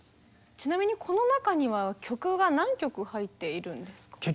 ちなみにこの中には曲が何曲入っているんですか？